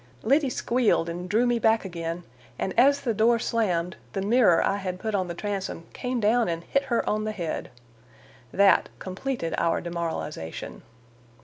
Liddy squealed and drew me back again, and as the door slammed, the mirror I had put on the transom came down and hit her on the head. That completed our demoralization.